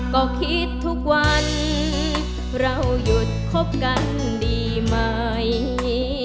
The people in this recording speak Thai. ก็คิดทุกวันเราหยุดคบกันดีไหม